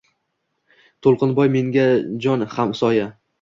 To‘lqinboy menga jon hamsoya.